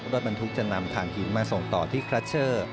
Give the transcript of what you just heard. รถบรรทุกจะนำฐานหินมาส่งต่อที่คลัชเชอร์